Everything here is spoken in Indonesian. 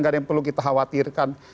gak ada yang perlu kita khawatirkan